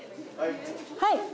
はい。